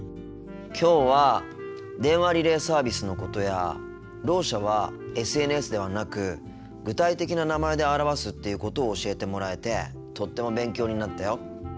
きょうは電話リレーサービスのことやろう者はＳＮＳではなく具体的な名前で表すっていうことを教えてもらえてとっても勉強になったよ。